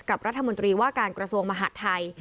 รัฐมนตรีว่าการกระทรวงมหาดไทย